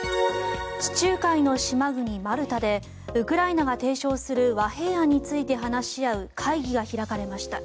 地中海の島国マルタでウクライナが提唱する和平案について話し合う会議が開かれました。